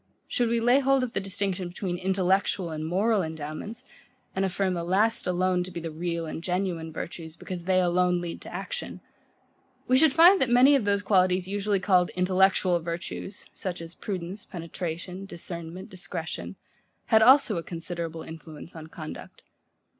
Should we lay hold of the distinction between INTELLECTUAL and MORAL endowments, and affirm the last alone to be the real and genuine virtues, because they alone lead to action; we should find that many of those qualities, usually called intellectual virtues, such as prudence, penetration, discernment, discretion, had also a considerable influence on conduct.